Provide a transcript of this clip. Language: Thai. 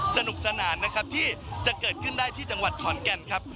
สนุกสนานนะครับที่จะเกิดขึ้นได้ที่จังหวัดขอนแก่นครับ